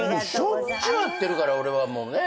しょっちゅう会ってるから俺はもうね。